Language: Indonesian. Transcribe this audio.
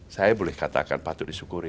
saya boleh katakan patut disyukuri